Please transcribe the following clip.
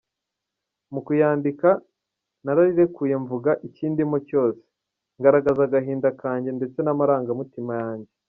Mu kuyandika narirekuye mvuga ikindimo cyose, ngaragaza agahinda kanjye ndetse n’amarangamutima yanjye.